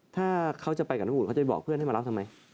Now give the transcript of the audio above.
ถ้าเขาจะไปกับน้ำอุ่นเขาจะบอกเพื่อนให้มารับทำไม